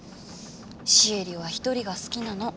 シエリは一人が好きなの。